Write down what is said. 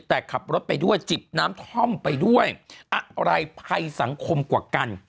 แต่ขับรถไปด้วยจิบน้ำท่อมไปด้วยอะไรภัยสังคมกว่ากัน